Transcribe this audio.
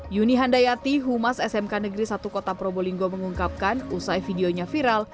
yuni handayati humas smk negeri satu kota probolinggo mengungkapkan usai videonya viral